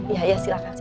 ya ya silakan